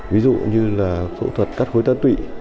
ví dụ như là phẫu thuật cắt khối tá tụy